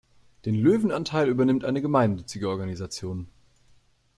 Den Löwenanteil übernimmt eine gemeinnützige Organisation.